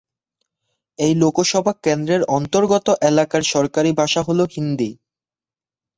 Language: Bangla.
এই লোকসভা কেন্দ্রের অন্তর্গত এলাকার সরকারি ভাষা হল হিন্দি।